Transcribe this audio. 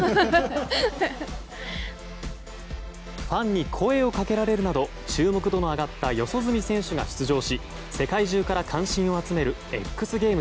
ファンに声をかけられるなど注目度の上がった四十住選手が出場し世界中から関心を集めるＸＧＡＭＥＳ。